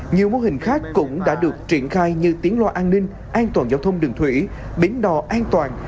nhiều mô hình khác cũng đã được triển khai như tiến loa an ninh an toàn giao thông đường thủy bến đò an toàn